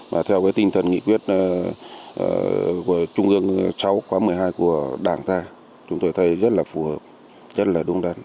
và theo cái tinh thần nghị quyết của trung ương sáu khóa một mươi hai của đảng ta chúng tôi thấy rất là phù hợp rất là đúng đắn